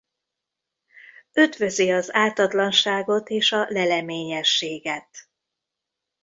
Ötvözi az ártatlanságot és a leleményességet.